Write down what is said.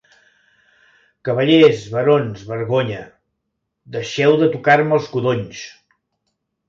Cavallers, barons, vergonya! Deixeu de tocar-me els codonys!